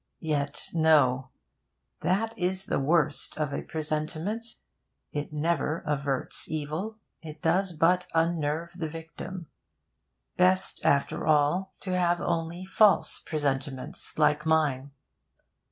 Yet no! That is the worst of a presentiment: it never averts evil, it does but unnerve the victim. Best, after all, to have only false presentiments like mine.